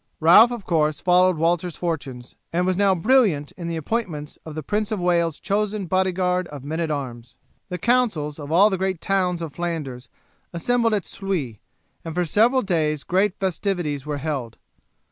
Ralph of course followed Walter's fortunes, and was now brilliant in the appointments of the Prince of Wales's chosen bodyguard of men at arms. The councils of all the great towns of Flanders assembled at Sluys, and for several days great festivities were held.